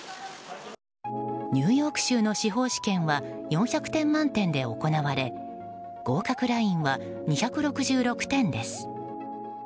ニューヨーク州の司法試験は４００点満点で行われ合格ラインは２６６点です。